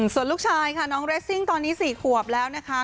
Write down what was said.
ส่วนลูกชายค่ะน้องเรสซิ่งตอนนี้๔ขวบแล้วนะคะ